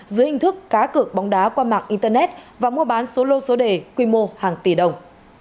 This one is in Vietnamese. dưới hình thức cá cược bóng đá qua mạng internet và mua bán số lô số đề quy mô hàng tỷ đồng